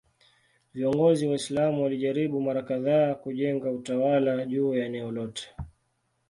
Viongozi Waislamu walijaribu mara kadhaa kujenga utawala juu ya eneo lote.